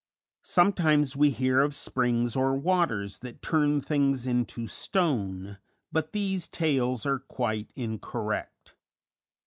Sometimes we hear of springs or waters that "turn things into stone," but these tales are quite incorrect.